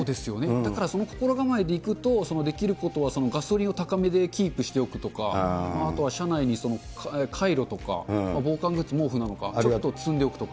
だからその心構えでいくと、できることはガソリンを高めでキープしておくとか、あとは車内にカイロとか、防寒靴、毛布とか、ちょっと積んでおくとか。